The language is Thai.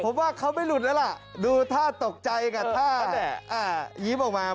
ผมว่าเขาไม่หลุดแล้วล่ะดูท่าตกใจกับท่ายิ้มออกมา